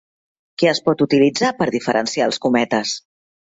Què es pot utilitzar per diferenciar els cometes?